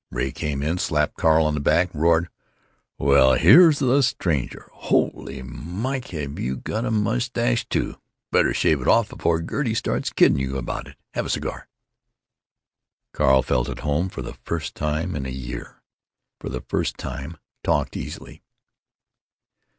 Ray came in, slapped Carl on the back, roared: "Well, here's the stranger! Holy Mike! have you got a mustache, too? Better shave it off before Gert starts kidding you about it. Have a cigar?" Carl felt at home for the first time in a year; for the first time talked easily.